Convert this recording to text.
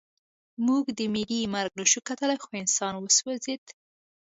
موږ د مېږي مرګ نشو کتلی خو انسان وسوځېد